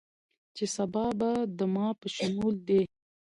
چې سبا به دما په شمول دې